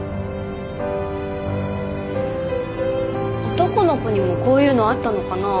男の子にもこういうのあったのかな。